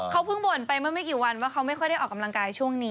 เขาเพิ่งบ่นไปเมื่อไม่กี่วันว่าเขาไม่ค่อยได้ออกกำลังกายช่วงนี้